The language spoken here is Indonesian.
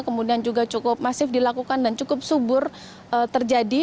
kemudian juga cukup masif dilakukan dan cukup subur terjadi